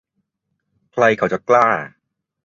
ใครเขาจะกล้า